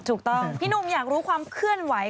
ถูกต้องพี่หนุ่มอยากรู้ความเคลื่อนไหว